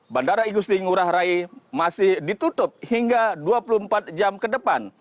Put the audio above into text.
bandara igusti ngurah rai masih ditutup hingga dua puluh empat jam ke depan